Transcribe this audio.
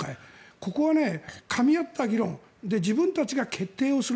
ここはかみ合った議論で自分たちが決定をする。